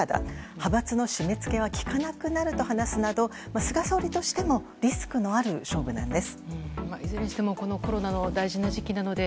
派閥の締め付けはきかなくなると話すなど菅総理としてもリスクのある勝負なんです。